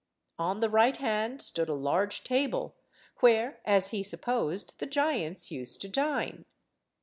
On the right hand stood a large table where, as he supposed, the giants used to dine.